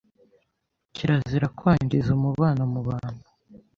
Kirezire kwengize umubeno mu bentu